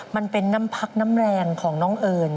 มันเป็นน้ำพักน้ำแรงของน้องเอิญ